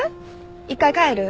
一回帰る？